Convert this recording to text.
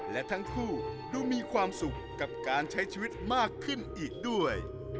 และทั้งคู่ดูมีความสุขกับการใช้ชีวิตมากขึ้นอีกด้วย